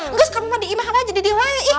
nggak suka emang diimah aja di dia